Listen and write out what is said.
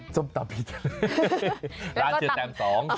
ส้มตำผีทะเลร้านเชอร์แตม๒